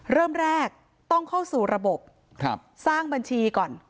เริ่มแรกต้องเข้าสู่ระบบสร้างบัญชีก่อน